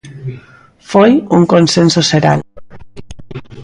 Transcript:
Foi un consenso xeral.